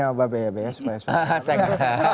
sama pak bhebhe ya